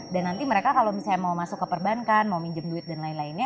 dan nanti mereka kalau misalnya mau masuk ke perbankan mau minjem duit dan lain lainnya